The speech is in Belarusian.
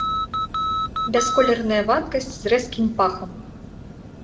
Бясколерная вадкасць з рэзкім пахам.